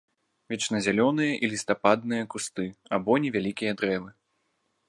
Вечназялёныя і лістападныя кусты або невялікія дрэвы.